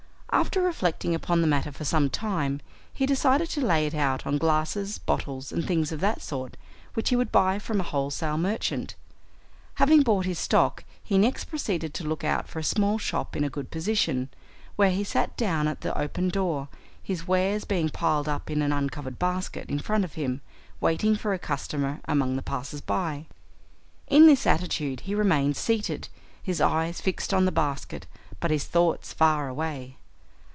After reflecting upon the matter for some time he decided to lay it out on glasses, bottles, and things of that sort, which he would buy from a wholesale merchant. Having bought his stock he next proceeded to look out for a small shop in a good position, where he sat down at the open door, his wares being piled up in an uncovered basket in front of him, waiting for a customer among the passers by. In this attitude he remained seated, his eyes fixed on the basket, but his thoughts far away.